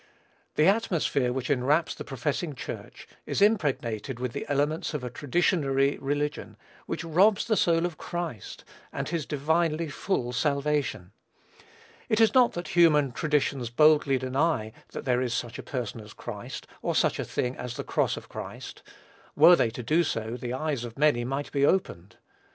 The atmosphere which enwraps the professing church, is impregnated with the elements of a traditionary religion, which robs the soul of Christ, and his divinely full salvation. It is not that human traditions boldly deny that there is such a person as Christ, or such a thing as the cross of Christ: were they to do so, the eyes of many might be opened.